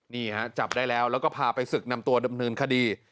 นี่ฮะจับได้แล้วแล้วก็พาไปศึกนำตัวดำเนินคดี